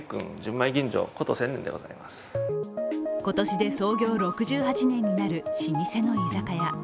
今年で創業６８年になる老舗の居酒屋。